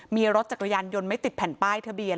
มีรถจักรยานยนต์ไม่ติดแผ่นป้ายทะเบียน